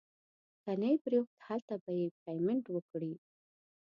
که نه یې پرېښود هلته به پیمنټ وکړي.